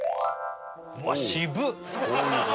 うわ渋っ！